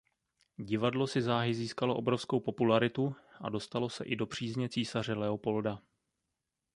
Divadlo si záhy získalo obrovskou popularitu a dostalo se i do přízně císaře Leopolda.